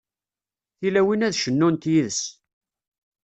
Tilawin ad cennunt yid-s.